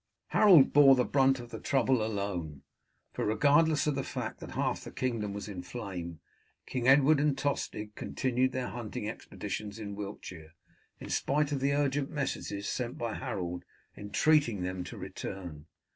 Harold bore the brunt of the trouble alone, for, regardless of the fact that half the kingdom was in a flame, King Edward and Tostig continued their hunting expeditions in Wiltshire, in spite of the urgent messages sent by Harold entreating them to return.